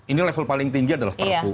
ini level paling tinggi adalah perpu